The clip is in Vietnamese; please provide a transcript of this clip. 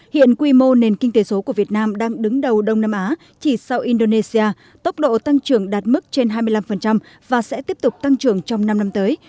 hiện quy mô nền kinh tế số của việt nam đang đứng đầu đông nam á chỉ sau indonesia tốc độ tăng trưởng đạt mức trên hai mươi năm và sẽ tiếp tục tăng trưởng trong năm năm tới